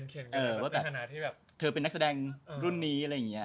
การเป็นนักแสดงใช่